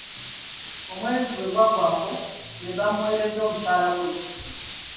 Omwezi bwe gwaggwangako, nebamuwereza omusaala ggwe.